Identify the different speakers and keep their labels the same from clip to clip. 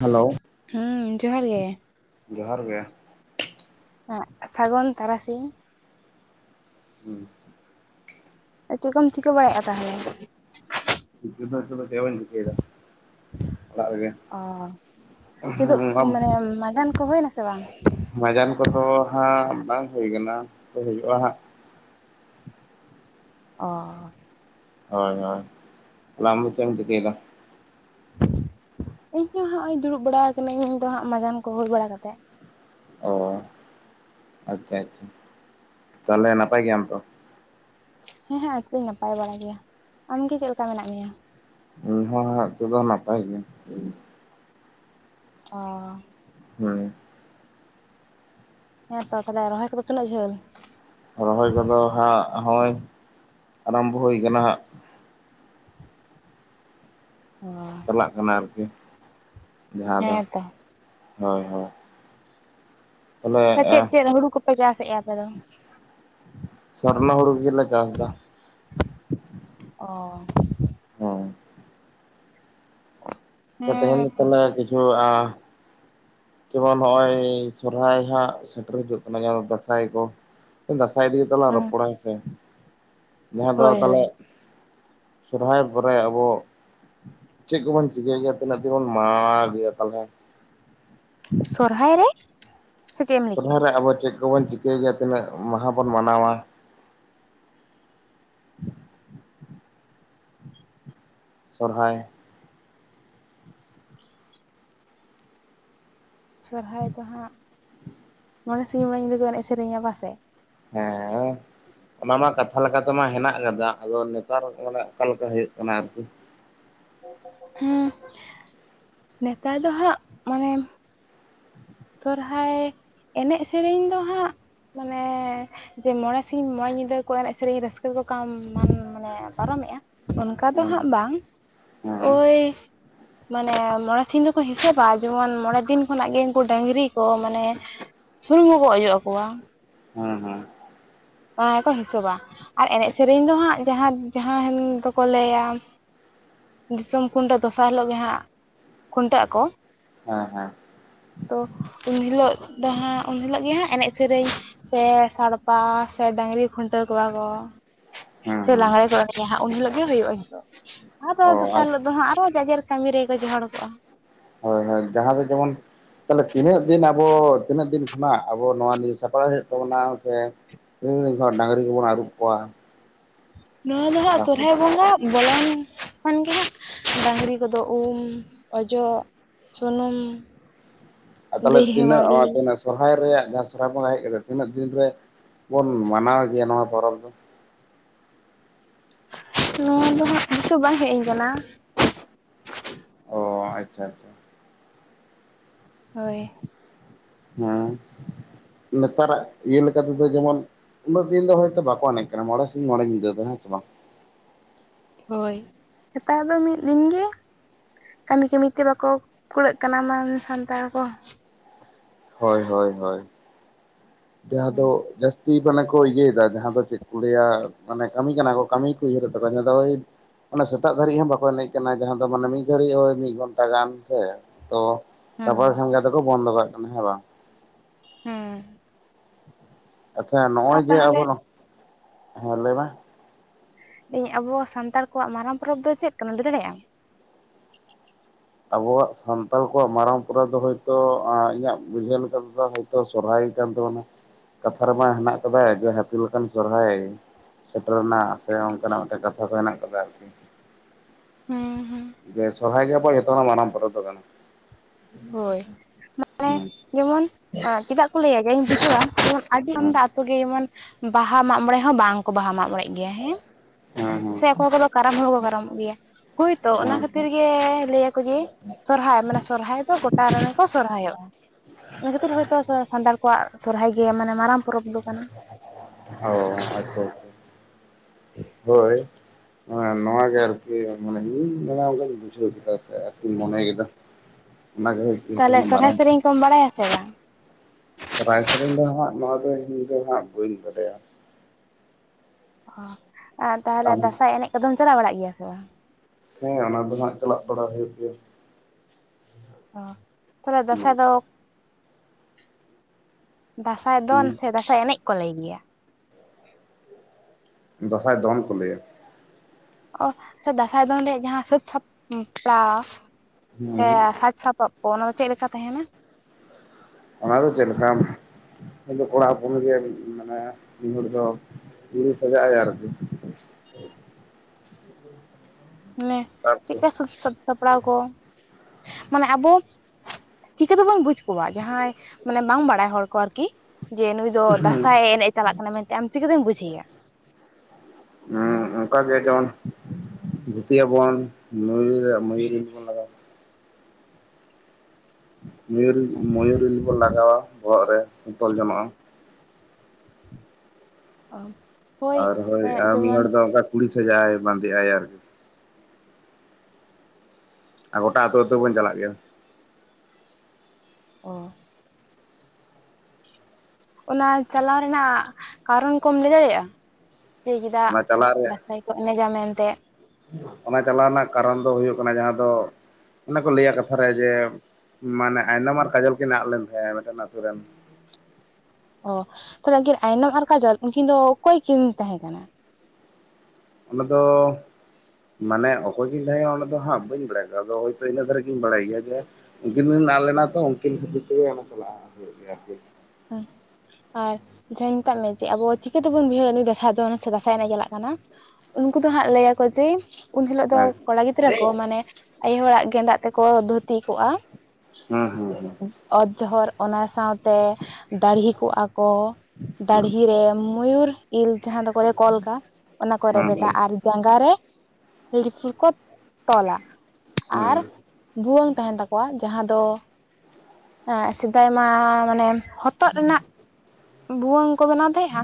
Speaker 1: Hello
Speaker 2: ᱦᱩ ᱡᱚᱦᱟᱨ ᱜᱮ ᱾
Speaker 1: ᱡᱚᱦᱟᱨ ᱜᱮ
Speaker 2: ᱥᱟᱹᱜᱩᱱ ᱛᱟᱨᱟᱥᱤᱧ
Speaker 1: ᱦᱩ
Speaker 2: ᱪᱮᱫᱠᱚᱢ ᱴᱷᱤᱠᱟᱹ ᱵᱟᱲᱟᱭᱟᱜ ᱛᱟᱦᱞᱮ?
Speaker 1: ᱪᱤᱠᱟᱹ ᱫᱚ ᱱᱤᱛᱚᱜ ᱫᱚ ᱪᱮᱫ ᱦᱚ ᱵᱟᱹᱧ ᱪᱤᱠᱟᱹᱭᱮᱫᱟ ᱚᱲᱟᱜ ᱨᱮᱜᱮ ᱾
Speaker 2: ᱚ ᱠᱤᱫᱚᱜ ᱢᱟᱱᱮ ᱢᱟᱡᱟᱱ ᱠᱚ ᱦᱩᱭ ᱱᱟᱥᱮ ᱵᱟᱝ?
Speaker 1: ᱢᱟᱡᱟᱱ ᱠᱚᱫᱚ ᱦᱟᱜ ᱵᱟᱝ ᱦᱩᱭ ᱠᱟᱱᱟ ᱛᱚ ᱦᱩᱭᱩᱜ-ᱟ ᱦᱟᱜ ᱾
Speaker 2: ᱚᱻᱻ
Speaker 1: ᱦᱳᱭ ᱦᱳᱭ ᱛᱟᱦᱞᱮ ᱟᱢ ᱫᱚ ᱪᱮᱫ ᱮᱢ ᱪᱤᱠᱟᱹᱭ ᱫᱟᱢ?
Speaker 2: ᱤᱧ ᱦᱚ ᱦᱚᱜ-ᱚᱭ ᱫᱩᱲᱩᱵ ᱵᱟᱲᱟ ᱠᱟᱹᱱᱤᱧ ᱫᱚ ᱦᱟᱜ ᱢᱟᱡᱟᱱ ᱠᱚ ᱦᱩᱭ ᱵᱟᱲᱟ ᱠᱟᱛᱮ ᱾
Speaker 1: ᱚ ᱟᱪᱪᱷᱟ ᱟᱪᱪᱷᱟ ᱛᱟᱦᱞᱮ ᱱᱟᱯᱟᱭ ᱜᱮᱭᱟᱢ ᱛᱚ?
Speaker 2: ᱦᱮ ᱦᱮ ᱟᱛ-ᱫᱚᱧ ᱱᱟᱯᱟᱭ ᱵᱟᱲᱟ ᱜᱮᱭᱟ ᱾ ᱟᱢᱜᱮ ᱪᱮᱫ ᱞᱮᱠᱟ ᱢᱮᱱᱟᱜ ᱢᱮᱭᱟ?
Speaker 1: [unintelligible] ᱦᱟᱸᱜ ᱱᱚᱛᱮ ᱫᱚ ᱱᱟᱯᱟᱭ ᱜᱮ
Speaker 2: ᱚ
Speaker 1: ᱦᱮᱸ
Speaker 2: ᱦᱮᱸ ᱛᱚ ᱛᱟᱦᱚᱞᱮ ᱨᱚᱦᱚᱭ ᱠᱚᱫᱚ ᱛᱤᱱᱟᱹᱜ ᱡᱷᱟᱹᱞ?
Speaker 1: ᱨᱚᱦᱚᱭ ᱠᱚᱫᱚ ᱦᱟᱸᱜ ᱦᱚᱸᱭ ᱟᱨᱟᱢᱵᱚ ᱦᱩᱭ ᱠᱟᱱᱟ ᱦᱟᱸᱜ ᱾
Speaker 2: ᱚ
Speaker 1: ᱪᱟᱞᱟᱜ ᱠᱟᱱᱟ ᱟᱨᱠᱤ ᱡᱟᱦᱟ ᱫᱚ
Speaker 2: ᱦᱮᱸᱛᱚ
Speaker 1: ᱦᱳᱭ ᱦᱳᱭ ᱾
Speaker 2: ᱪᱮᱫ ᱪᱮᱫ ᱦᱳᱲᱳ ᱠᱚᱯᱮ ᱪᱟᱥᱮᱫᱼᱟ ᱟᱯᱮ ᱫᱚ
Speaker 1: ᱥᱚᱨᱱᱚ ᱦᱳᱲᱳ ᱜᱮᱞᱮ ᱪᱟᱥ ᱮᱫᱟ
Speaker 2: ᱚᱻ
Speaker 1: ᱦᱚᱭ ᱛᱮᱦᱮᱧ ᱫᱚ
Speaker 2: ᱦᱮᱸᱛᱚ
Speaker 1: ᱛᱟᱦᱚᱞᱮ ᱠᱤᱪᱷᱩ ᱟᱻ ᱡᱮᱢᱚᱱ ᱱᱚᱜᱼᱚᱭ ᱥᱚᱨᱦᱟᱭ ᱦᱟᱸᱜ ᱥᱮᱴᱮᱨ ᱦᱤᱡᱩᱜ ᱠᱟᱱᱟ [unintelligible] ᱫᱟᱸᱥᱟᱭ ᱠᱚ ᱫᱟᱸᱥᱟᱭ ᱤᱫᱤ ᱠᱟᱛᱮ ᱞᱟᱝ ᱨᱚᱯᱚᱲᱟ ᱦᱮᱸ ᱥᱮ [unintelligible] ᱫᱚ
Speaker 2: ᱦᱳᱭ ᱦᱳᱭ
Speaker 1: ᱛᱟᱦᱚᱞᱮ ᱥᱚᱨᱦᱟᱭ ᱯᱚᱨᱮ ᱟᱵᱚ ᱪᱮᱫ ᱠᱚᱵᱚᱱ ᱪᱤᱠᱟᱹᱭ ᱜᱮᱭᱟ ᱛᱤᱱᱟᱹᱜ ᱫᱤᱱ ᱵᱚᱱ ᱢᱟᱱᱟᱣ ᱜᱮᱭᱟ ᱛᱟᱦᱚᱞᱮ
Speaker 2: ᱥᱚᱨᱦᱟᱭ ᱨᱮ ᱥᱮ ᱪᱮᱫ ᱮᱢ ᱞᱟᱹᱭ ᱠᱮᱜᱼᱟ
Speaker 1: ᱥᱚᱨᱦᱟᱭ ᱨᱮ ᱟᱵᱚ ᱪᱮᱫ ᱠᱚᱵᱚᱱ ᱪᱤᱠᱟᱹᱭ ᱜᱮᱭᱟ ᱛᱤᱱᱟᱹᱜ ᱢᱟᱦᱟ ᱵᱚᱱ ᱢᱟᱱᱟᱣᱟ ᱥᱚᱨᱦᱟᱭ
Speaker 2: ᱥᱚᱨᱦᱟᱭ ᱫᱚ ᱦᱟᱸᱜ ᱢᱚᱬᱮ ᱥᱤᱧ ᱢᱚᱬᱮ ᱧᱤᱫᱟᱹ ᱠᱚ ᱮᱱᱮᱡ ᱥᱮᱨᱮᱧᱟ ᱵᱟᱥᱮ
Speaker 1: ᱦᱮᱸᱻ ᱚᱱᱟ ᱢᱟ ᱠᱟᱛᱷᱟ ᱞᱮᱠᱟ ᱛᱮᱢᱟ ᱦᱮᱱᱟᱜ ᱟᱠᱟᱫᱟ ᱟᱫᱚ ᱱᱮᱛᱟᱨ ᱢᱟᱱᱮ ᱚᱠᱟ ᱞᱮᱠᱟ ᱦᱩᱭᱩᱜ ᱠᱟᱱᱟ ᱟᱨᱠᱤ
Speaker 2: ᱦᱩᱸ ᱱᱮᱛᱟᱨ ᱫᱚ ᱦᱟᱸᱜ ᱢᱟᱱᱮ ᱥᱚᱨᱦᱟᱭ ᱮᱱᱮᱡ ᱥᱮᱨᱮᱧ ᱫᱚ ᱦᱟᱸᱜ ᱢᱟᱱᱮ ᱡᱮ ᱢᱚᱬᱮ ᱥᱤᱧ ᱢᱚᱬᱮ ᱧᱤᱫᱟᱹ ᱠᱚ ᱮᱱᱮᱡ ᱥᱮᱨᱮᱧ ᱨᱟᱹᱥᱠᱟᱹ [unintelligible] ᱢᱟᱢ ᱢᱟᱱᱮ ᱯᱟᱨᱚᱢᱮᱜᱼᱟ ᱚᱱᱠᱟ ᱫᱚ
Speaker 1: ᱦᱮᱸ
Speaker 2: ᱦᱟᱸᱜ ᱵᱟᱝ
Speaker 1: ᱦᱮᱸ
Speaker 2: ᱳᱭ ᱢᱟᱱᱮ ᱢᱚᱬᱮ ᱥᱤᱧ ᱫᱚᱠᱚ ᱦᱤᱥᱟᱹᱵᱟ ᱡᱮᱢᱚᱱ ᱢᱚᱬᱮ ᱫᱤᱱ ᱠᱷᱚᱱᱟᱜ ᱜᱮ ᱠᱩ ᱰᱟᱹᱝᱨᱤ ᱠᱚ ᱢᱟᱱᱮ ᱥᱩᱱᱩᱢ ᱠᱚᱠᱚ ᱚᱡᱚᱜ ᱟᱠᱚᱣᱟ
Speaker 1: ᱦᱮᱸ ᱦᱩᱸ
Speaker 2: ᱚᱱᱟ ᱜᱮᱠᱚ ᱦᱤᱥᱟᱹᱵᱼᱟ ᱟᱨ ᱮᱱᱮᱡ ᱥᱮᱨᱮᱧ ᱫᱚ ᱦᱟᱸᱜ ᱡᱟᱦᱟᱸ ᱡᱟᱦᱟᱸ ᱫᱚᱠᱚ ᱞᱟᱹᱭᱟ ᱫᱤᱥᱚᱢ ᱠᱷᱩᱱᱴᱟᱹᱣ ᱫᱚᱥᱟᱨ ᱦᱤᱞᱚᱜ ᱜᱮ ᱦᱟᱸᱜ ᱠᱷᱩᱱᱴᱟᱹᱜ ᱟᱠᱚ
Speaker 1: ᱦᱮᱸ ᱦᱮᱸ
Speaker 2: ᱛᱚ ᱩᱱ ᱦᱤᱞᱚᱜ ᱫᱚ ᱦᱟᱸᱜ ᱩᱱ ᱦᱤᱞᱚᱜ ᱜᱮ ᱦᱟᱸᱜ ᱮᱱᱮᱡ ᱥᱮᱨᱮᱧ ᱥᱮ ᱥᱟᱲᱯᱟ ᱥᱮ ᱰᱟᱹᱝᱨᱤ ᱠᱷᱩᱱᱴᱟᱹᱣ ᱠᱚᱣᱟ ᱠᱚ
Speaker 1: ᱦᱮᱸ
Speaker 2: ᱥᱮ
Speaker 1: ᱦᱮᱸ
Speaker 2: ᱞᱟᱜᱽᱲᱮ ᱠᱚ ᱮᱱᱮᱡᱟ ᱦᱟᱸᱜ ᱩᱱ ᱦᱤᱞᱚᱜ ᱜᱮ ᱦᱩᱭᱩᱜᱼᱟ ᱟᱫᱚ
Speaker 1: ᱚ
Speaker 2: ᱫᱚᱥᱟᱨ
Speaker 1: ᱟᱨ
Speaker 2: ᱦᱤᱞᱚᱜ ᱫᱚ ᱦᱟᱸᱜ ᱟᱨᱚ ᱡᱟᱡᱮᱨ ᱠᱟᱹᱢᱤ ᱨᱮᱜᱮ ᱡᱚᱦᱚᱲ ᱠᱚᱜᱼᱟ
Speaker 1: ᱦᱚᱭ ᱦᱚᱭ ᱡᱟᱦᱟᱸ ᱨᱮᱫᱚ ᱡᱮᱢᱚᱱ ᱛᱟᱦᱟᱞᱮ ᱛᱤᱱᱟᱹᱜ ᱫᱤᱱ ᱟᱵᱚ ᱛᱤᱱᱟᱹᱜ ᱫᱤᱱ ᱠᱷᱚᱱᱟᱜ ᱟᱵᱚ ᱱᱚᱣᱟ ᱱᱤᱭᱟᱹ ᱥᱟᱯᱲᱟᱣ ᱦᱩᱭᱩᱜ ᱛᱟᱵᱚᱱᱟ ᱥᱮ [unintelligible] ᱰᱟᱝᱨᱤ ᱠᱚᱵᱚᱱ ᱟᱹᱨᱩᱵ ᱠᱚᱣᱟ
Speaker 2: ᱱᱚᱣᱟ ᱫᱚ ᱦᱟᱸᱜ
Speaker 1: ᱰᱟᱝᱨᱤ
Speaker 2: ᱥᱚᱨᱦᱟᱭ ᱵᱚᱸᱜᱟ ᱵᱚᱞᱚ ᱞᱮᱱ ᱠᱷᱟᱱ ᱜᱮ ᱦᱟᱸᱜ ᱰᱟᱹᱝᱨᱤ ᱠᱚᱫᱚ ᱩᱢ ᱚᱡᱚᱜ ᱥᱩᱱᱩᱢ
Speaker 1: ᱟᱫᱚ ᱛᱟᱦᱚᱞᱮ
Speaker 2: ᱫᱤᱨ ᱦᱮᱢᱟᱞᱤ
Speaker 1: ᱛᱤᱱᱟᱹᱜ [unintelligible] ᱥᱚᱨᱦᱟᱭ ᱨᱮᱭᱟᱜ ᱡᱟᱦᱟᱸ ᱥᱚᱨᱦᱟᱭ ᱵᱚᱸᱜᱟ ᱦᱮᱡ ᱠᱟᱛᱮ ᱛᱤᱱᱟᱹᱜ ᱫᱤᱱ ᱨᱮ ᱵᱚᱱ ᱢᱟᱱᱟᱣ ᱜᱮᱭᱟ ᱱᱚᱣᱟ ᱯᱚᱨᱚᱵᱽ ᱫᱚ
Speaker 2: ᱱᱚᱣᱟ ᱫᱚ ᱦᱟᱸᱜ ᱫᱤᱥᱟᱹ ᱵᱟᱭ ᱦᱮᱡ ᱤᱧ ᱠᱟᱱᱟ
Speaker 1: ᱚ ᱟᱪᱪᱷᱟ ᱟᱪᱪᱷᱟ
Speaker 2: ᱦᱚᱭ
Speaker 1: ᱦᱮᱸ ᱱᱮᱛᱟᱨᱟᱜ ᱤᱭᱟᱹ ᱞᱮᱠᱟ ᱛᱮᱫᱚ ᱡᱮᱢᱚᱱ ᱩᱱᱟᱹᱜ ᱫᱤᱱ ᱫᱚ ᱦᱚᱭ ᱛᱚ ᱵᱟᱠᱚ ᱮᱱᱮᱡ ᱠᱟᱱᱟ ᱢᱚᱬᱮ ᱥᱤᱧ ᱢᱚᱬᱮ ᱧᱤᱫᱟᱹ ᱫᱚ ᱦᱮᱸ ᱥᱮ ᱵᱟᱝ
Speaker 2: ᱦᱚᱭ ᱱᱮᱛᱟᱨ ᱫᱚ ᱢᱤᱫ ᱫᱤᱱ ᱜᱮ ᱠᱟᱹᱢᱤ ᱠᱟᱹᱢᱤ ᱛᱮ ᱵᱟᱠᱚ ᱠᱩᱲᱟᱹᱜ ᱠᱟᱱᱟ [unintelligible] ᱥᱟᱱᱛᱟᱲ ᱠᱚ
Speaker 1: ᱦᱚᱭ ᱦᱚᱭ ᱦᱚᱭ [unintelligible] ᱫᱚ
Speaker 2: ᱦᱮᱸ
Speaker 1: ᱡᱟᱹᱥᱛᱤ ᱛᱤ ᱢᱟᱱᱮ ᱠᱚ ᱤᱭᱟᱹᱭᱮᱫᱟ ᱡᱟᱦᱟᱸ ᱫᱚ ᱪᱮᱫ ᱠᱚ ᱞᱟᱹᱭᱟ ᱢᱟᱱᱮ ᱠᱟᱹᱢᱤ ᱠᱟᱱᱟ ᱠᱚ ᱠᱟᱹᱢᱤ ᱠᱚ ᱩᱭᱦᱟᱹᱨᱮᱫ ᱛᱟᱠᱚᱣᱟ ᱡᱟᱦᱟᱸ ᱫᱚ ᱳᱭ ᱚᱱᱮ ᱥᱮᱛᱟᱜ ᱫᱷᱟᱹᱨᱤᱡ ᱦᱚᱸ ᱵᱟᱠᱚ ᱮᱱᱮᱡ ᱠᱟᱱᱟ ᱡᱟᱦᱟᱸ ᱫᱚ ᱢᱟᱱᱮ ᱢᱤᱫ ᱜᱷᱟᱹᱲᱤᱡ ᱢᱤᱫ ᱜᱷᱚᱱᱴᱟ ᱜᱟᱱ ᱥᱮ ᱛᱚ ᱛᱟᱯᱚᱨᱮ ᱠᱷᱚᱱ ᱜᱮ ᱟᱫᱚ ᱠᱚ ᱵᱚᱱᱫᱚ ᱠᱟᱜ ᱠᱟᱱᱟ ᱦᱮᱸ ᱵᱟᱝ
Speaker 2: ᱦᱮᱸ
Speaker 1: ᱟᱪᱪᱷᱟ
Speaker 2: ᱟᱨ
Speaker 1: ᱱᱚᱜ-ᱚᱭ ᱡᱮ
Speaker 2: ᱛᱟᱦᱚᱞᱮ
Speaker 1: ᱟᱵᱚ ᱦᱮᱸ ᱞᱟᱹᱭ ᱢᱮ
Speaker 2: ᱞᱟᱹᱭ ᱤᱧ ᱟᱵᱚ ᱥᱟᱱᱛᱟᱲ ᱠᱚᱣᱟᱜ ᱢᱟᱨᱟᱝ ᱯᱚᱨᱚᱵᱽ ᱫᱚ ᱪᱮᱫ ᱠᱟᱱᱟᱢ? ᱞᱟᱹᱭ ᱫᱟᱲᱮᱭᱟᱜ-ᱟ
Speaker 1: ᱟᱵᱚᱣᱟᱜ ᱥᱟᱱᱛᱟᱲ ᱠᱚᱣᱟᱜ ᱢᱟᱨᱟᱝ ᱯᱚᱨᱟ ᱫᱚ ᱦᱳᱭᱛᱳ ᱤᱧᱟᱹᱜ ᱵᱩᱡᱷᱟᱹᱣ ᱞᱮᱠᱟᱛᱮᱫᱚ ᱚ ᱥᱚᱨᱦᱟᱭ ᱠᱟᱱ ᱛᱟᱵᱚᱱᱟ ᱠᱟᱛᱷᱟ ᱨᱮᱢᱟ ᱦᱮᱱᱟᱜ ᱟᱠᱟᱫᱟ ᱡᱮ ᱦᱟᱹᱛᱤ ᱞᱮᱠᱟᱱ ᱥᱚᱨᱦᱟᱭ ᱥᱮᱴᱮᱨᱱᱟ ᱥᱮ ᱚᱱᱠᱟᱱᱟᱜ ᱢᱤᱫᱴᱮᱱ ᱠᱟᱛᱷᱟ ᱠᱚ ᱦᱮᱱᱟᱜ ᱟᱠᱟᱫᱟ ᱟᱨᱠᱤ
Speaker 2: ᱦᱮᱸ ᱦᱮᱸ
Speaker 1: ᱡᱮ ᱥᱚᱨᱦᱟᱭ ᱜᱮ ᱟᱵᱚᱣᱟᱜ ᱡᱚᱛᱚᱱᱟᱜ ᱢᱟᱨᱟᱝ ᱯᱚᱨᱚᱵ ᱫᱚ ᱠᱟᱱᱟ
Speaker 2: ᱦᱳᱭ ᱢᱟᱱᱮ
Speaker 1: ᱦᱩᱸ
Speaker 2: ᱡᱮᱢᱚᱱ ᱪᱮᱫᱟᱜ ᱠᱚ ᱞᱟᱹᱭᱟ ᱡᱟᱹᱧ ᱵᱩᱡᱷᱟᱹᱣᱟ ᱡᱮᱢ ᱟᱹᱰᱤ
Speaker 1: ᱦᱮᱸ
Speaker 2: ᱟᱢᱫᱟ ᱡᱮᱢᱚᱱ ᱵᱟᱦᱟ ᱢᱟᱜ ᱢᱚᱬᱮ ᱦᱚᱸ ᱵᱟᱝ ᱠᱚ ᱵᱟᱦᱟ ᱢᱟᱜ ᱢᱚᱬᱮᱜ ᱜᱮᱭᱟ ᱦᱮᱸ
Speaker 1: ᱦᱮᱸ
Speaker 2: ᱥᱮ ᱚᱠᱚᱭ ᱠᱚᱫᱚ ᱠᱟᱨᱟᱢ ᱦᱚᱲᱠᱚ ᱠᱟᱨᱟᱢᱚᱜ ᱜᱮᱭᱟ ᱦᱳᱭᱛᱚ
Speaker 1: ᱦᱮᱸ
Speaker 2: ᱚᱱᱟ ᱠᱷᱟᱹᱛᱤᱨ
Speaker 1: ᱦᱮᱸ
Speaker 2: ᱜᱮ ᱞᱟᱹᱭᱟᱠᱚ ᱡᱮ ᱥᱚᱨᱦᱟᱭ ᱢᱟᱱᱮ ᱥᱚᱨᱦᱟᱭ ᱛᱚ ᱜᱚᱴᱟ ᱨᱮ ᱠᱚ ᱥᱚᱨᱦᱟᱭᱚᱜ-ᱟ ᱚᱱᱟ ᱠᱷᱟᱹᱛᱤᱨ ᱦᱚᱭᱛᱚ ᱥᱟᱱᱛᱟᱲ ᱠᱚᱣᱟᱜ ᱥᱚᱨᱦᱟᱭ ᱜᱮ ᱢᱟᱱᱮ ᱢᱟᱨᱟᱝ ᱯᱚᱨᱚᱵᱽ ᱫᱚ ᱠᱟᱱᱟ
Speaker 1: ᱦᱳᱭ ᱟᱪᱪᱷᱟ ᱟᱪᱪᱷᱟ ᱦᱳᱭ ᱱᱚᱣᱟᱜᱮ ᱟᱨᱠᱤ ᱢᱟᱱᱮ ᱤᱧ ᱢᱟᱱᱟ ᱜᱮᱧ ᱵᱩᱡᱷᱟᱹᱣ ᱠᱮᱫᱟ ᱥᱮ ᱟᱨᱠᱤᱧ ᱢᱚᱱᱮ ᱠᱮᱫᱟ ᱚᱱᱟ ᱜᱮ ᱦᱩᱭᱩᱜ
Speaker 2: ᱛᱟᱦᱚᱞᱮ
Speaker 1: ᱠᱟᱱᱟ
Speaker 2: ᱥᱚᱨᱦᱟᱭ
Speaker 1: ᱢᱟᱨᱟᱝ
Speaker 2: ᱥᱮᱨᱮᱧ ᱠᱚᱢ ᱵᱟᱲᱟᱭᱟ ᱥᱮ ᱵᱟᱝ
Speaker 1: ᱥᱚᱨᱚᱦᱟᱭ ᱥᱮᱨᱮᱧ ᱫᱚ ᱦᱟᱸᱜ ᱱᱚᱣᱟ ᱫᱚ ᱤᱧ ᱫᱚ ᱦᱟᱸᱜ ᱵᱟᱹᱧ ᱵᱟᱰᱟᱭᱟ
Speaker 2: ᱚ ᱛᱟᱦᱚᱞᱮ
Speaker 1: ᱟᱢ
Speaker 2: ᱫᱟᱸᱥᱟᱭ ᱮᱱᱮᱡ ᱠᱚᱫᱚᱢ ᱪᱟᱞᱟᱣ ᱵᱟᱲᱟᱜ ᱜᱮᱭᱟ ᱥᱮ ᱵᱟᱝ
Speaker 1: ᱦᱮᱸ ᱚᱱᱟ ᱫᱚ ᱦᱟᱸᱜ ᱪᱟᱞᱟᱜ ᱵᱟᱲᱟ ᱦᱩᱭᱩᱜ ᱜᱮᱭᱟ
Speaker 2: ᱚ ᱛᱟᱦᱞᱮ ᱫᱟᱸᱥᱟᱭ ᱫᱚ [unintelligible] ᱟᱨ ᱫᱚᱱ
Speaker 1: ᱦᱮᱸ
Speaker 2: ᱥᱮ ᱥᱟᱸᱥᱟᱭ ᱮᱱᱮᱡ ᱠᱚ ᱞᱟᱹᱭ ᱜᱮᱭᱟ
Speaker 1: ᱫᱟᱸᱥᱟᱭ ᱫᱚᱱ ᱠᱚ ᱞᱟᱹᱭᱟ
Speaker 2: ᱚ ᱫᱟᱸᱥᱟᱭ ᱫᱚᱱ ᱨᱮᱭᱟᱜ ᱡᱟᱦᱟᱸ ᱥᱟᱹᱡᱽ ᱥᱟᱯᱲᱟᱣ ᱥᱮ
Speaker 1: ᱦᱮᱸ
Speaker 2: ᱥᱟᱡᱽ ᱥᱟᱯᱟᱵ ᱚ ᱚᱱᱟᱫᱚ ᱪᱮᱫ ᱞᱮᱠᱟ ᱛᱟᱦᱮᱱᱟ
Speaker 1: ᱚᱱᱟ ᱫᱚ ᱪᱮᱫ ᱞᱮᱠᱟ ᱩᱱᱤ ᱫᱚ ᱠᱚᱲᱟ ᱦᱚᱯᱚᱱ ᱜᱮ ᱢᱮᱱᱟ ᱩᱱᱤ ᱦᱚᱲ ᱫᱚ ᱠᱩᱲᱤ ᱥᱟᱡᱟᱜ-ᱟᱭ ᱟᱨᱠᱤ
Speaker 2: ᱢᱟᱱᱮ
Speaker 1: ᱛᱟᱨᱯᱚᱨ
Speaker 2: ᱪᱮᱫᱠᱟ ᱥᱟᱹᱛ ᱥᱟᱯᱲᱟᱣ ᱠᱚ ᱢᱟᱱᱮ ᱟᱵᱚ ᱪᱤᱠᱟᱹ ᱫᱚᱵᱚᱱ ᱵᱩᱡ ᱠᱚᱣᱟ ᱡᱟᱦᱟᱸᱭ ᱢᱟᱱᱮ ᱵᱟᱝ ᱵᱟᱲᱟᱭ ᱦᱚᱲ ᱠᱚ ᱟᱨᱠᱤ ᱡᱮ ᱱᱩᱭ ᱫᱚ ᱫᱟᱸᱟᱭ ᱮᱱᱮᱡ ᱪᱟᱞᱟᱜ ᱠᱟᱱᱟ ᱢᱮᱱᱛᱮ ᱟᱢ ᱪᱤᱠᱟᱹᱛᱮᱢ ᱵᱩᱡᱷᱮᱭᱟ
Speaker 1: ᱦᱩ ᱚᱱᱠᱟᱟᱜᱮ ᱡᱮᱢᱚᱱ ᱫᱷᱩᱛᱤ ᱟᱵᱚᱱ ᱢᱩᱨ ᱢᱚᱭᱩᱨ ᱵᱚᱱ ᱞᱟᱜᱟᱣᱟ ᱢᱚᱭᱩᱨ ᱢᱚᱭᱩᱨ ᱤᱞ ᱵᱚᱱ ᱞᱟᱜᱟᱣᱟ ᱵᱚᱦᱚᱜ ᱨᱮ ᱛᱚᱞ ᱡᱚᱱᱚᱜ-ᱟ
Speaker 2: [inaudible]
Speaker 1: ᱟᱨ ᱦᱳᱭ ᱟᱨ ᱢᱤᱫ
Speaker 2: ᱡᱮᱢᱚᱱ
Speaker 1: ᱦᱚᱲ ᱫᱚ ᱚᱱᱠᱟ ᱠᱩᱲᱤ ᱥᱟᱡᱟᱜ ᱵᱟᱸᱫᱮᱜ-ᱟᱭ ᱟᱨᱠᱤ ᱟᱨ ᱜᱚᱴᱟ ᱟᱹᱛᱩ ᱟᱹᱛᱩ ᱵᱚᱱ ᱪᱟᱞᱟᱜ ᱜᱮᱭᱟ
Speaker 2: ᱚ ᱚᱱᱟ ᱪᱟᱞᱟᱣ ᱨᱮᱱᱟᱜ ᱠᱟᱨᱚᱱ ᱠᱚᱢ ᱞᱟᱹᱭ ᱫᱟᱲᱮᱭᱟᱜ-ᱟ ᱪᱮᱫᱟᱜ
Speaker 1: ᱚᱱᱟ ᱪᱟᱞᱟᱜ ᱨᱮ
Speaker 2: ᱫᱟᱸᱥᱟᱭ ᱠᱚ ᱮᱱᱮᱡᱟ ᱢᱮᱱᱛᱮ
Speaker 1: ᱚᱱᱟ ᱪᱟᱞᱟᱣ ᱨᱮᱱᱟᱜ ᱠᱟᱨᱚᱱ ᱫᱚ ᱦᱩᱭᱩᱜ ᱠᱟᱱᱟ ᱡᱟᱦᱟᱸ ᱫᱚ ᱚᱱᱮ ᱠᱚ ᱞᱟᱹᱭᱟ ᱠᱟᱛᱷᱟ ᱡᱮ ᱢᱟᱱᱮ ᱟᱭᱱᱚᱢ ᱟᱨ ᱠᱟᱡᱚᱞ ᱠᱤᱱ ᱟᱫ ᱞᱮᱱ ᱛᱟᱦᱮᱸᱱᱟ ᱢᱤᱫᱴᱮᱱ ᱟᱛᱩ ᱨᱮᱱ
Speaker 2: ᱚ ᱛᱟᱦᱚᱞᱮ ᱩᱱᱠᱤᱱ ᱟᱭᱱᱚᱢ ᱟᱨ ᱠᱟᱡᱚᱞ ᱩᱱᱠᱤᱱ ᱫᱚ ᱚᱠᱚᱭ ᱠᱤᱱ ᱛᱟᱦᱮᱸ ᱠᱟᱱᱟ
Speaker 1: ᱚᱱᱟ ᱫᱚ ᱢᱟᱱᱮ ᱚᱠᱚᱭ ᱠᱤᱱ ᱛᱟᱦᱮ ᱠᱟᱱᱟ ᱚᱱᱟ ᱫᱚ ᱦᱟᱸᱜ ᱵᱟᱹᱧ ᱵᱟᱰᱟᱭ ᱫᱚ ᱟᱫᱚ ᱦᱚᱭᱛᱚ ᱤᱱᱟᱹ ᱫᱷᱟᱨᱤᱡ ᱜᱤᱧ ᱵᱟᱲᱟᱭ ᱜᱮᱭᱟ ᱡᱮ ᱩᱱᱠᱤᱱ ᱠᱤᱱ ᱟᱫ ᱞᱮᱱᱟ ᱛᱚ ᱩᱱᱠᱤᱱ ᱠᱷᱟᱹᱛᱤᱨ ᱛᱮᱜᱮ ᱪᱟᱞᱟᱜ ᱦᱩᱭᱩᱜ ᱜᱮᱭᱟ ᱟᱨᱠᱤ
Speaker 2: ᱦᱮᱸ ᱟᱨ ᱡᱟᱦᱟᱸ ᱢᱮᱛᱟᱜ ᱢᱮ ᱡᱮ ᱟᱵᱚ ᱪᱤᱠᱟᱹᱛᱮᱵᱚᱱ ᱵᱷᱩᱡᱟᱣ ᱥᱟᱭ ᱫᱚ ᱥᱮ ᱫᱟᱸᱥᱟᱭ ᱮᱱᱮᱡ ᱪᱟᱞᱟᱜ ᱠᱟᱱᱟ ᱩᱱᱠᱩ ᱫᱚ ᱦᱟᱸᱜ ᱞᱟᱹᱭᱟᱠᱚ ᱡᱮ ᱩᱱ ᱦᱤᱞᱳᱜ ᱫᱚ
Speaker 1: ᱦᱮᱸ
Speaker 2: ᱠᱚᱲᱟ ᱜᱤᱫᱽᱨᱟᱹ ᱠᱚ ᱢᱟᱱᱮ ᱟᱭᱳ ᱦᱚᱲᱟᱜ ᱜᱮᱸᱫᱟᱜ ᱛᱮᱠᱚ ᱫᱷᱩᱛᱤ ᱠᱚᱜᱼᱟ
Speaker 1: ᱦᱮᱸ ᱦᱮᱸ ᱦᱮᱸ
Speaker 2: ᱚᱛ ᱡᱚᱦᱚᱨ ᱚᱱᱟ ᱥᱟᱶᱛᱮ ᱫᱟᱲᱦᱤ ᱠᱚᱜᱼᱟ ᱠᱚ
Speaker 1: ᱦᱮᱸ ᱦᱮᱸ
Speaker 2: ᱫᱟᱲᱦᱤ
Speaker 1: ᱦᱮᱸ
Speaker 2: ᱨᱮ ᱢᱚᱭᱩᱨ ᱤᱞ ᱡᱟᱦᱟᱸ ᱫᱚ ᱠᱚ ᱠᱚᱞᱜᱟ ᱚᱱᱟ ᱠᱚ ᱨᱮᱵᱮᱫᱟ ᱟᱨ ᱡᱟᱸᱜᱟ ᱨᱮ [unintelligible] ᱠᱚ ᱛᱚᱞᱟ ᱟᱨ ᱵᱷᱩᱣᱟᱹᱝ ᱛᱟᱸᱦᱮᱱ ᱛᱟᱠᱚᱣᱟ ᱡᱟᱦᱟᱸ ᱫᱚ ᱥᱮᱫᱟᱭ ᱢᱟ ᱢᱟᱱᱮ ᱦᱚᱛᱚᱫ ᱨᱮᱱᱟᱜ [inaudible] ᱵᱷᱩᱣᱟᱹᱝ ᱠᱚ ᱵᱮᱱᱟᱣ ᱛᱟᱦᱮᱸᱼᱦᱟ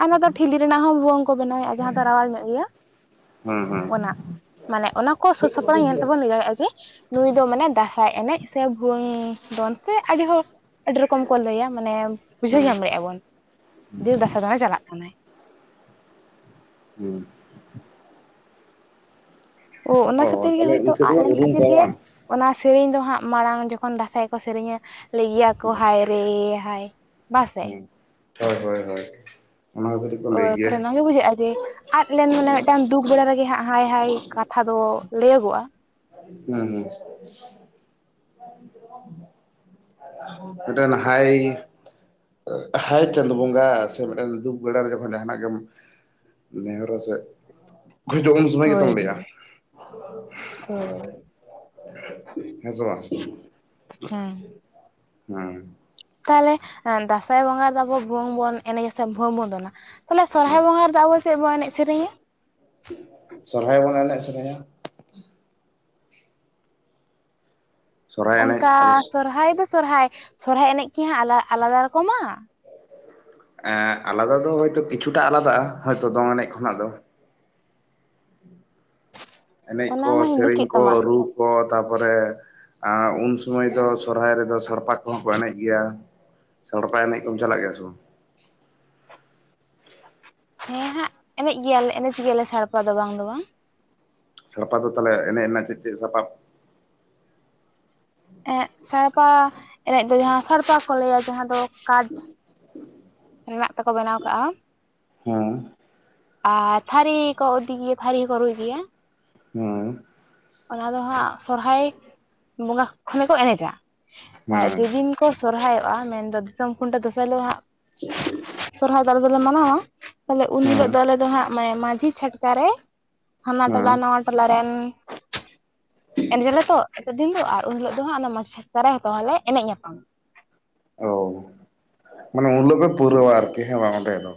Speaker 2: ᱟᱨ ᱚᱱᱟ ᱫᱚ [unintelligible] ᱴᱷᱤᱞᱤ ᱨᱮᱱᱟᱜ ᱦᱚᱸ ᱵᱷᱩᱣᱟᱹᱝ ᱠᱚ ᱵᱮᱱᱟᱣᱮᱜᱼᱟ ᱡᱟᱦᱟᱸ ᱫᱚ ᱨᱟᱣᱟᱞ ᱧᱚᱜ ᱜᱮᱭᱟ ᱾
Speaker 1: ᱦᱮᱸ
Speaker 2: ᱚᱱᱟ ᱢᱟᱱᱮ ᱚᱱᱟ ᱠᱚ ᱥᱟᱹᱼᱥᱟᱯᱲᱟᱣ ᱧᱮᱞ ᱛᱮᱵᱚᱱ ᱞᱟᱹᱭ ᱫᱟᱲᱮᱜᱼᱟ ᱡᱮ ᱱᱩᱭ ᱫᱚ ᱢᱟᱱᱮ ᱫᱟᱸᱥᱟᱭ ᱮᱱᱮᱡ ᱥᱮ ᱵᱷᱩᱮᱟᱹᱝ ᱫᱚᱱ ᱥᱮ ᱟᱹᱰᱤ ᱦᱚᱲ ᱟᱹᱰᱤ ᱨᱚᱠᱚᱢ ᱠᱚ ᱞᱟᱹᱭᱟ ᱢᱟᱱᱮ
Speaker 1: ᱦᱮᱸ
Speaker 2: ᱵᱩᱡᱷᱟᱹᱣ
Speaker 1: ᱦᱮᱸ
Speaker 2: ᱧᱟᱢ ᱫᱟᱼᱵᱚᱱ ᱡᱮ ᱫᱟᱸᱥᱟᱭ ᱫᱟᱬᱟ ᱪᱟᱞᱟᱜ ᱠᱟᱱᱟᱭ ᱾
Speaker 1: [unintelligible]
Speaker 2: ᱚ ᱚᱱᱟ ᱠᱷᱟᱹᱛᱤᱨ ᱜᱮ
Speaker 1: ᱛᱟᱦᱚᱞᱮ
Speaker 2: ᱦᱚᱭ ᱛᱚ
Speaker 1: ᱤᱱᱠᱟᱹ ᱫᱚ
Speaker 2: ᱟᱜ ᱞᱮᱱ
Speaker 1: ᱩᱨᱩᱢ
Speaker 2: ᱠᱷᱟᱹᱛᱤᱨ
Speaker 1: ᱠᱚᱣᱟ
Speaker 2: ᱜᱮ
Speaker 1: ᱵᱟᱝ
Speaker 2: ᱚᱱᱟ ᱥᱮᱨᱮᱧ ᱫᱚ ᱦᱟᱸᱜ ᱢᱟᱲᱟᱝ ᱡᱚᱠᱷᱚᱱ ᱫᱟᱸᱥᱟᱭ ᱠᱚ ᱥᱮᱨᱮᱧᱟ ᱞᱟᱹᱭ ᱜᱤᱭᱟ ᱠᱚ ᱦᱟᱭ ᱨᱮ ᱦᱟᱭ ᱵᱟᱥᱮ
Speaker 1: ᱦᱩᱸ ᱦᱚᱭ ᱦᱚᱭ ᱦᱚᱭ ᱚᱱᱟ [unintelligible]
Speaker 2: ᱚ ᱛᱷᱟᱞᱮ
Speaker 1: ᱦᱮᱸ
Speaker 2: ᱱᱚᱣᱟ ᱜᱮ ᱵᱩᱡᱷᱟᱹᱜᱼᱟ ᱡᱮ ᱟᱫ ᱞᱮᱱ ᱢᱟᱱᱮ ᱢᱤᱫᱴᱟᱝ ᱫᱩᱠ ᱵᱟᱲᱟ ᱨᱮᱜᱮ ᱦᱟᱸᱜ ᱦᱟᱭ ᱦᱟᱭ ᱠᱟᱛᱷᱟ ᱫᱚ ᱞᱟᱹᱭᱟᱹᱜᱚᱜᱼᱟ
Speaker 1: ᱦᱩᱸ ᱦᱩᱸ [unintelligible] ᱢᱤᱫᱴᱮᱱ ᱦᱟᱭ ᱦᱟᱭ ᱪᱟᱸᱫ ᱵᱚᱸᱜᱟ ᱥᱮ ᱢᱤᱫᱴᱮᱱ ᱫᱩᱠ ᱵᱮᱰᱟ ᱡᱚᱠᱷᱚᱱ ᱡᱟᱦᱟᱱᱟᱜ ᱜᱮᱢ ᱱᱮᱦᱚᱨᱟ ᱥᱮ ᱩᱱ ᱡᱚᱠᱷᱚᱱ ᱩᱱ ᱥᱚᱢᱚᱭ ᱜᱮᱛᱚᱢ
Speaker 2: ᱦᱳᱭ
Speaker 1: ᱞᱟᱹᱭᱼᱟ
Speaker 2: ᱦᱳᱭ ᱦᱳᱭ᱾
Speaker 1: ᱦᱮᱸᱥᱮ ᱵᱟᱝ
Speaker 2: ᱦᱮᱸ
Speaker 1: ᱦᱮᱸ
Speaker 2: ᱛᱟᱦᱚᱞᱮ ᱫᱟᱸᱥᱟᱭ ᱵᱚᱸᱜᱟ ᱫᱚ ᱟᱵᱚ ᱵᱷᱩᱣᱝ ᱵᱚᱱ ᱮᱱᱮᱡᱟ ᱥᱮ ᱵᱷᱩᱣᱟᱹᱝ ᱵᱚᱱ ᱫᱚᱱᱟ? ᱛᱟᱦᱚᱞᱮ
Speaker 1: ᱦᱮᱸ
Speaker 2: ᱥᱚᱨᱦᱟᱭ ᱵᱚᱸᱜᱟ ᱨᱮᱫᱚ ᱟᱵᱚ ᱪᱮᱜ ᱵᱚ ᱮᱱᱮᱡ ᱥᱮᱨᱮᱧᱟ?
Speaker 1: ᱥᱚᱨᱦᱟᱭ ᱵᱚᱱ ᱮᱱᱮᱡ ᱥᱮᱨᱮᱧᱟ ᱥᱚᱨᱦᱟᱭ ᱮᱱᱮᱡ
Speaker 2: ᱚᱱᱠᱟ
Speaker 1: ᱟᱫᱚ
Speaker 2: ᱥᱚᱨᱦᱟᱭ ᱫᱚ ᱥᱚᱨᱦᱟᱭ ᱥᱚᱨᱦᱟᱭ ᱮᱱᱮᱡ ᱠᱤ ᱦᱟᱸᱜ ᱟᱞᱟ ᱟᱞᱟᱫᱟ ᱨᱚᱠᱚᱢᱟ
Speaker 1: ᱮᱸ ᱟᱞᱟᱫᱟ ᱫᱚ ᱦᱚᱭ ᱛᱚ ᱠᱤᱪᱷᱩᱴᱟᱜ ᱟᱞᱟᱫᱟᱼᱟ ᱦᱭᱛᱚ ᱫᱚᱝ ᱮᱱᱮᱡ ᱠᱷᱚᱱᱟᱜ ᱫᱚ ᱾ ᱮᱱᱮᱡ
Speaker 2: ᱚᱱᱟ
Speaker 1: ᱠᱚ
Speaker 2: ᱢᱟᱧ ᱵᱩᱡ
Speaker 1: ᱥᱮᱨᱮᱧ
Speaker 2: ᱠᱮᱫ
Speaker 1: ᱠᱚ
Speaker 2: ᱛᱟᱢᱟ
Speaker 1: ᱨᱩ ᱠᱚ ᱛᱟᱨᱯᱚᱨᱮ ᱟᱸ ᱩᱱ ᱥᱚᱢᱚᱭ ᱫᱚ ᱥᱚᱨᱦᱟᱭ ᱨᱮᱫᱚ ᱥᱟᱲᱯᱟ ᱠᱚ ᱦᱚᱸ ᱠᱚ ᱮᱱᱮᱡ ᱜᱮᱭᱟ ᱾ ᱥᱟᱲᱯᱟ ᱮᱱᱮᱡ ᱠᱚᱢ ᱪᱟᱞᱟᱜ ᱜᱮᱭᱟ ᱥᱮ ᱵᱟᱝ?
Speaker 2: ᱦᱮᱸ ᱦᱟᱸᱜ ᱮᱱᱮᱡ ᱜᱮᱭᱟᱞᱮ ᱮᱱᱮᱡ ᱜᱮᱭᱟᱞᱮ ᱥᱟᱲᱯᱟ ᱫᱚ ᱵᱟᱝ ᱫᱚ ᱵᱟᱝ ᱾
Speaker 1: ᱥᱟᱲᱯᱟ ᱫᱚ ᱛᱟᱦᱞᱮ ᱮᱱᱮᱡ ᱨᱮᱱᱟᱜ ᱪᱮᱫ ᱪᱮᱫ ᱥᱟᱯᱟᱵ?
Speaker 2: ᱮᱻ ᱥᱟᱲᱯᱟ ᱮᱱᱮᱡ ᱫᱚ ᱡᱟᱦᱟᱸ ᱥᱟᱲᱯᱟ ᱠᱚ ᱞᱟᱹᱭᱟ ᱡᱟᱦᱟᱸ ᱫᱚ ᱠᱟᱴ
Speaker 1: [unintelligible]
Speaker 2: ᱨᱮᱱᱟᱜ ᱛᱮᱠᱚ ᱵᱮᱱᱟᱣ ᱠᱟᱜᱼᱟ
Speaker 1: ᱦᱮᱸ
Speaker 2: ᱟᱨ ᱛᱷᱟᱹᱨᱤ ᱠᱚ ᱤᱫᱤ ᱜᱮᱭᱟ ᱛᱷᱟᱹᱨᱤ ᱦᱚᱸᱠᱚ ᱨᱩᱭ ᱜᱮᱭᱟ ᱾
Speaker 1: ᱦᱮᱸᱻ
Speaker 2: ᱚᱱᱟ ᱫᱚ ᱦᱟᱸᱜ ᱥᱚᱨᱦᱟᱭ ᱵᱚᱸᱜᱟ ᱠᱷᱚᱱᱮ ᱠᱚ ᱮᱱᱮᱡᱟ ᱾ ᱟᱨ
Speaker 1: ᱦᱮᱸ
Speaker 2: ᱡᱮᱫᱤᱱ ᱠᱚ ᱥᱚᱨᱦᱟᱭᱚᱜᱼᱟ ᱢᱮᱱᱫᱚ ᱫᱤᱥᱚᱢ ᱠᱷᱩᱱᱴᱟᱹᱣ ᱫᱚᱥᱟᱨ ᱦᱤᱞᱚᱜ ᱦᱟᱸᱜ᱾ ᱥᱚᱨᱦᱟᱭ ᱫᱚ ᱟᱞᱮ ᱟᱫᱚᱞᱮ ᱢᱟᱱᱟᱣᱟ ᱛᱟᱞᱮ ᱩᱱ
Speaker 1: ᱦᱮᱸ
Speaker 2: ᱦᱤᱞᱚᱜ ᱫᱚ ᱟᱞᱮ ᱫᱚ ᱦᱟᱸᱜ ᱢᱟᱭ ᱢᱟᱹᱡᱷᱤ ᱪᱷᱟᱴ ᱠᱟᱨᱮ ᱦᱟᱱᱟ
Speaker 1: ᱦᱮᱸ
Speaker 2: ᱴᱚᱞᱟ ᱱᱟᱣᱟ ᱴᱚᱞᱟ ᱨᱮᱱ ᱮᱱᱮᱡᱟᱞᱮ ᱛᱚ [unintelligible] ᱫᱤᱱ ᱫᱚ ᱟᱨ ᱩᱱ ᱦᱤᱞᱚᱜ ᱫᱚ ᱦᱟᱸᱜ ᱚᱱᱟ ᱢᱟᱪᱷ ᱪᱷᱟᱴᱠᱟ ᱨᱮ ᱦᱚᱛᱚ ᱞᱮ ᱮᱱᱮᱡ ᱧᱟᱯᱟᱢᱟ ᱾
Speaker 1: ᱚ ᱢᱟᱱᱮ ᱩᱱᱞᱚᱜ ᱯᱩᱨᱟᱹᱣᱟ ᱟᱨᱠᱤ [unintelligible] ᱵᱟᱝ ᱚᱸᱰᱮ ᱫᱚ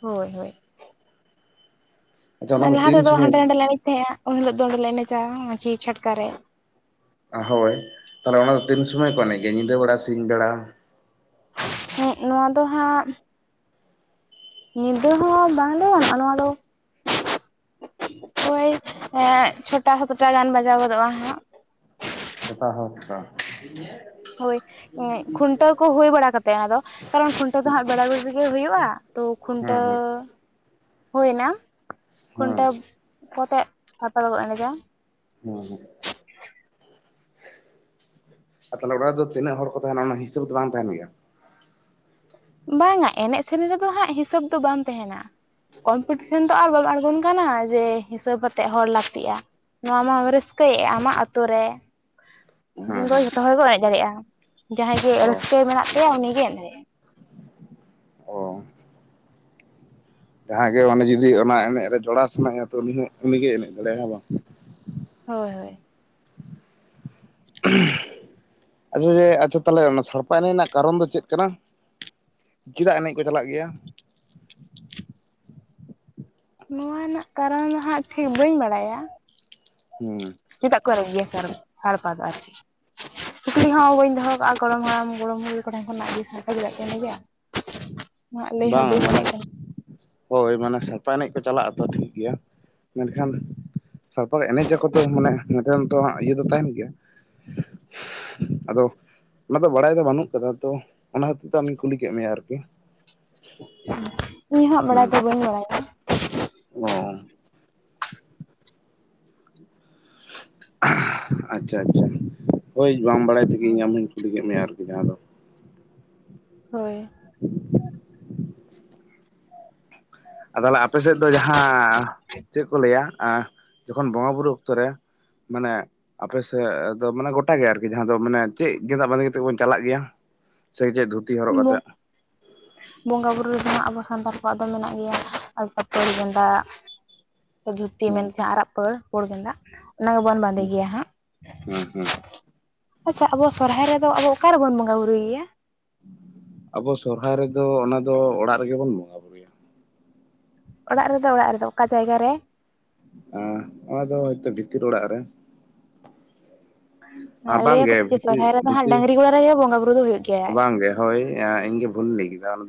Speaker 2: ᱦᱚᱭ ᱦᱚᱭ
Speaker 1: ᱟᱪᱪᱷᱟ ᱚᱱᱟ
Speaker 2: ᱢᱟᱱ
Speaker 1: ᱫᱚ
Speaker 2: ᱞᱟᱦᱟ
Speaker 1: ᱛᱤᱱ
Speaker 2: ᱛᱮᱫᱚ
Speaker 1: ᱥᱚᱢᱚᱭ
Speaker 2: ᱦᱟᱸᱰᱮ ᱱᱟᱰᱮ ᱞᱮ ᱮᱱᱮᱡ ᱛᱟᱦᱮᱸᱜᱼᱟ ᱩᱱ ᱦᱤᱞᱚᱜ ᱫᱚ ᱚᱸᱰᱮ ᱞᱮ ᱮᱱᱮᱡᱟ ᱢᱟᱹᱡᱷᱤ ᱪᱷᱟᱴᱠᱟ ᱨᱮ ᱾
Speaker 1: ᱦᱚᱭ ᱛᱟᱦᱞᱮ ᱚᱱᱟ ᱫᱚ ᱛᱤᱱ ᱥᱚᱢᱚᱭ ᱠᱚ ᱮᱱᱮᱡ ᱜᱮ ᱧᱤᱫᱟᱹ ᱵᱮᱲᱟ ᱥᱤᱧ ᱵᱮᱲᱟ?
Speaker 2: ᱦᱮᱸᱜ ᱱᱚᱣᱟ ᱫᱚ ᱦᱟᱸᱜ ᱧᱤᱫᱟᱹ ᱦᱚᱸ ᱵᱟᱝ ᱫᱚ [unintelligible] ᱱᱚᱣᱟ ᱫᱚ ᱳᱭ ᱪᱷᱚᱴᱟ ᱥᱟᱛᱴᱟ ᱜᱟᱱ ᱵᱟᱡᱟᱣ ᱜᱚᱫᱚᱜᱼᱟ ᱦᱟᱸᱜ
Speaker 1: ᱪᱷᱚᱴᱟ ᱥᱟᱛᱴᱟ [unintelligible]
Speaker 2: ᱦᱚᱭ ᱠᱷᱩᱱᱴᱟᱹᱣ ᱠᱚ ᱦᱩᱭ ᱵᱟᱲᱟ ᱠᱟᱛᱮ [unintelligible] ᱫᱚ ᱠᱟᱨᱚᱱ ᱠᱷᱩᱱᱴᱟᱹᱣ ᱫᱚ ᱦᱟᱸᱜ ᱵᱮᱲᱟ-ᱵᱤᱲᱤ ᱜᱮ ᱦᱩᱭᱩᱜᱼᱟ ᱛᱚ
Speaker 1: ᱦᱮᱸ
Speaker 2: ᱠᱷᱩᱱᱴᱟᱹᱣ
Speaker 1: ᱦᱮᱸ
Speaker 2: ᱦᱩᱭᱱᱟ
Speaker 1: ᱦᱮᱸ
Speaker 2: ᱠᱷᱩᱱᱴᱟᱹᱣ ᱠᱚᱛᱮ ᱦᱟᱛᱟᱣ ᱜᱚᱫ ᱮᱱᱜᱮᱭᱟ ᱾
Speaker 1: ᱚ ᱟᱨ ᱛᱟᱦᱞᱮ ᱚᱲᱟᱜ ᱨᱮ ᱫᱚ ᱛᱤᱱᱟᱹᱜ ᱦᱚᱲ ᱠᱚ ᱛᱟᱦᱮᱱᱟ ᱚᱱᱟ ᱦᱤᱥᱟᱹᱵ ᱫᱚ ᱵᱟᱝ ᱛᱟᱦᱮᱱ ᱜᱮᱭᱟ
Speaker 2: ᱵᱟᱝᱟ ᱮᱱᱮᱡ ᱥᱮᱨᱮᱧ ᱨᱮᱫᱚ ᱦᱟᱸᱜ ᱦᱤᱥᱟᱹᱵ ᱫᱚ ᱵᱟᱝ ᱛᱟᱦᱮᱱᱟ ᱠᱚᱢᱯᱤᱴᱤᱥᱮᱱ ᱫᱚ ᱟᱨ ᱵᱟᱢ ᱟᱬᱜᱚᱱ ᱠᱟᱱᱟ ᱡᱮ ᱦᱤᱥᱟᱹᱵᱛᱜ ᱦᱚᱲ ᱞᱟᱹᱠᱛᱤᱜ-ᱟ ᱱᱚᱣᱟ ᱢᱟ ᱨᱟᱹᱥᱠᱟᱹᱭᱮᱫ-ᱟ ᱟᱢᱟᱜ ᱟᱛᱳ ᱨᱮ
Speaker 1: ᱦᱮᱸ
Speaker 2: ᱫᱚ
Speaker 1: ᱦᱮᱸ
Speaker 2: ᱡᱷᱚᱛᱚ ᱦᱚᱲ ᱠᱚ ᱮᱱᱮᱡ ᱫᱟᱲᱮᱭᱟᱜ-ᱟ ᱡᱟᱦᱟᱸᱭ ᱜᱮ
Speaker 1: ᱚ
Speaker 2: ᱨᱟᱹᱥᱠᱟᱹ ᱢᱮᱱᱟᱜ ᱛᱟᱭᱟ ᱩᱱᱤᱜᱮ ᱮᱱ ᱫᱟᱲᱮᱭᱟᱜ-ᱟ
Speaker 1: ᱚ ᱡᱟᱦᱟᱸᱭ ᱜᱮ ᱢᱟᱱᱮ ᱡᱩᱫᱤ ᱚᱱᱟ ᱮᱱᱮᱡ ᱨᱮ ᱡᱚᱲᱟᱣ ᱥᱟᱱᱟᱭᱮᱭᱟ ᱛᱚ ᱩᱱᱤ ᱦᱚᱸ ᱩᱱᱤᱜᱮ ᱮᱱᱮᱡ ᱫᱟᱲᱮᱭᱟᱜ-ᱟ ᱦᱮ ᱵᱟᱝ
Speaker 2: ᱦᱳᱭ ᱦᱳᱭ
Speaker 1: ᱟᱪᱪᱷᱟ ᱡᱮ ᱟᱪᱪᱷᱟ ᱛᱟᱦᱞᱮ ᱚᱱᱟ ᱥᱟᱲᱯᱟ ᱮᱱᱮᱡ ᱨᱮᱱᱟᱜ ᱠᱟᱨᱚᱱ ᱫᱚ ᱪᱮᱫ ᱠᱟᱱᱟ ᱪᱮᱫᱟᱜ ᱮᱱᱮᱡ ᱠᱚ ᱪᱟᱞᱟᱜ ᱜᱮᱭᱟ
Speaker 2: ᱱᱚᱣᱟ ᱨᱮᱱᱟᱜ ᱠᱟᱨᱚᱱ ᱫᱚ ᱦᱟᱸᱜ ᱴᱷᱤᱠ ᱵᱟᱹᱧ ᱵᱟᱲᱟᱭᱟ
Speaker 1: ᱦᱩᱸ
Speaker 2: ᱪᱮᱫᱟᱜ ᱠᱚ ᱟᱨᱮᱡ ᱜᱮᱭᱟ ᱥᱟᱨ ᱥᱟᱲᱯᱟ ᱫᱚ ᱟᱨᱠᱤ ᱥᱩᱠᱨᱤ ᱦᱚᱸ ᱵᱟᱹᱧ ᱫᱚᱦᱚ ᱠᱟᱜ-ᱟ ᱜᱚᱲᱚᱢ ᱦᱟᱲᱟᱢ ᱜᱚᱲᱚᱢ ᱜᱚᱲᱚᱢ ᱠᱷᱚᱱᱟᱜ [unintelligible] ᱜᱮᱭᱟ
Speaker 1: ᱵᱟᱝ ᱢᱟᱱᱮ ᱦᱳᱭ ᱢᱟᱱᱮ ᱥᱟᱲᱯᱟ ᱮᱱᱮᱡ ᱠᱚ ᱪᱟᱞᱟᱜ ᱟᱛᱚ ᱴᱷᱤᱠ ᱜᱮᱭᱟ ᱢᱮᱱᱠᱷᱟᱱ ᱥᱟᱲᱯᱟ ᱮᱱᱮᱡ ᱟᱠᱚ ᱛᱚ ᱢᱟᱱᱮ ᱱᱮᱛᱟᱨ ᱫᱚ ᱤᱭᱟᱹ ᱫᱚ ᱛᱟᱦᱮᱱ ᱜᱮᱭᱟ ᱟᱫᱚ ᱚᱱᱟ ᱫᱚ ᱵᱟᱲᱟᱭ ᱫᱚ ᱵᱟᱹᱱᱩᱜ ᱠᱟᱫᱟ ᱛᱚ ᱚᱱᱟ ᱦᱚᱛᱮᱡ ᱛᱮ ᱟᱢᱤ ᱠᱩᱞᱤ ᱠᱮᱫ ᱢᱮᱭᱟ ᱟᱨᱠᱤ
Speaker 2: ᱤᱧᱦᱟᱜ ᱵᱟᱲᱟᱭ
Speaker 1: ᱦᱮᱸ
Speaker 2: ᱫᱚ ᱵᱟᱹᱧ ᱵᱟᱲᱟᱭᱟ
Speaker 1: ᱚ ᱟᱪᱪᱷᱟ ᱟᱪᱪᱷᱟ ᱦᱳᱭ ᱵᱟᱲᱟᱭ ᱛᱮᱜᱮ ᱤᱧ ᱟᱢ
Speaker 2: ᱦᱳᱭ
Speaker 1: ᱦᱚᱧ ᱠᱩᱞᱤ ᱠᱮᱫ ᱢᱮᱭᱟ ᱟᱨᱠᱤ ᱡᱟᱦᱟᱸ ᱫᱚ
Speaker 2: ᱦᱳᱭ
Speaker 1: ᱟᱫᱚᱞᱟᱜ ᱟᱯᱮ ᱥᱮᱫ ᱫᱚ ᱡᱟᱦᱟᱸ ᱪᱮᱫ ᱠᱚ ᱞᱟᱹᱭᱟ ᱡᱚᱠᱷᱚᱱ ᱵᱚᱸᱜᱟ ᱵᱩᱨᱩ ᱚᱠᱛᱚ ᱨᱮ ᱢᱟᱱᱮ ᱟᱯᱮ ᱥᱮᱫ ᱫᱚ ᱢᱟᱱᱮ ᱜᱚᱴᱟ ᱜᱮ ᱟᱨᱠᱤ ᱡᱟᱦᱟᱸ ᱫᱚ ᱢᱟᱱᱮ ᱪᱮᱫ ᱜᱮᱸᱫᱟᱜ ᱵᱟᱸᱫᱮ ᱠᱟᱛᱮᱫ ᱵᱚᱱ ᱪᱟᱞᱟᱜ ᱜᱮᱭᱟ ᱥᱮ ᱪᱮᱫ ᱫᱷ ᱦᱸ
Speaker 2: [unintelligible] ᱵᱚᱸᱜᱟ ᱵᱩᱨᱩ ᱨᱮᱫᱚ ᱟᱵᱚ ᱥᱟᱱᱛᱟᱲ ᱠᱚᱣᱟᱜ ᱫᱚ ᱢᱮᱱᱟᱜ ᱜᱮᱭᱟ ᱟᱞᱛᱟ ᱯᱟᱹᱲ ᱜᱮᱸᱫᱟᱜ ᱫᱷᱩᱛᱤ
Speaker 1: ᱦᱮᱸ
Speaker 2: ᱢᱮᱱᱠᱷᱟ ᱟᱨᱟᱜ ᱯᱟᱹᱲ ᱯᱩᱲ ᱜᱮᱸᱫᱟᱜ ᱚᱱᱟ ᱜᱮᱵᱚᱱ ᱵᱟᱸᱫᱮ ᱜᱮᱭᱟ ᱦᱟᱸᱜ
Speaker 1: ᱦᱮᱸ ᱦᱮᱸ
Speaker 2: ᱟᱪᱪᱷᱟ ᱟᱵᱚ ᱥᱚᱨᱦᱟᱭ ᱨᱮᱫᱚ ᱟᱵᱚ ᱚᱠᱟᱨᱮᱵᱚᱱ ᱵᱚᱸᱜᱟ ᱵᱩᱨᱩᱜᱮᱭᱟ
Speaker 1: ᱟᱵᱚ ᱥᱚᱨᱦᱟᱭ ᱨᱮᱫᱚ ᱚᱱᱟ ᱫᱚ ᱚᱲᱟᱜ ᱨᱮᱜᱮ ᱵᱚᱱ ᱵᱚᱸᱜᱟ ᱵᱩᱨᱩᱭᱟ
Speaker 2: ᱚᱲᱟᱜ ᱨᱮᱫᱚ ᱚᱲᱟᱜ ᱨᱮᱫᱚ ᱚᱠᱟ ᱡᱟᱭᱜᱟ ᱨᱮ
Speaker 1: ᱦᱮ ᱱᱚᱣᱟ ᱫᱚ ᱦᱚᱭᱛᱳ ᱵᱷᱤᱛᱤᱨ ᱚᱲᱟᱜ ᱨᱮ ᱵᱟᱝᱜᱮ
Speaker 2: ᱞᱟᱹᱭᱟᱠᱚ ᱡᱮ
Speaker 1: ᱵᱷᱤᱛᱤ
Speaker 2: ᱥᱚᱨᱦᱟᱭ ᱨᱮᱫᱚ ᱦᱟᱸᱜ
Speaker 1: ᱵᱷᱤᱛᱤ
Speaker 2: ᱰᱟᱹᱝᱨᱤ ᱜᱚᱲᱟ ᱨᱮᱜᱮ ᱵᱚᱸᱜᱟ ᱵᱩᱨᱩ ᱫᱚ ᱦᱩᱭᱩᱜ ᱜᱮᱭᱟ
Speaker 1: ᱵᱟᱝᱜᱮ ᱦᱳᱭ ᱤᱧ ᱜᱮ ᱵᱷᱩᱞ ᱤᱧ ᱞᱟᱹᱭ ᱠᱮᱫᱟ